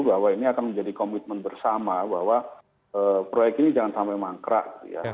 bahwa ini akan menjadi komitmen bersama bahwa proyek ini jangan sampai mangkrak